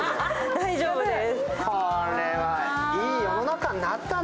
大丈夫です。